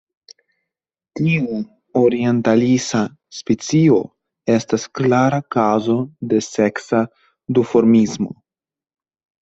Tiu orientalisa specio estas klara kazo de seksa duformismo.